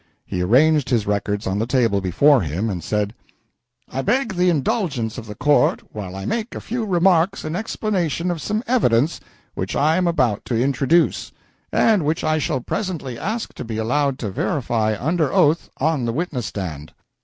He arranged his records on the table before him, and said "I beg the indulgence of the court while I make a few remarks in explanation of some evidence which I am about to introduce, and which I shall presently ask to be allowed to verify under oath on the witness stand.